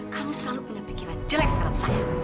kamu selalu punya pikiran jelek dalam saya